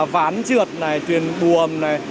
ván trượt này thuyền buồm này